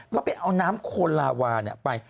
แล้วไปเอาน้ำโคลลาวาเนี่ยไป